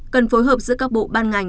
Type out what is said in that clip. cần phối hợp giữa các bộ ban ngành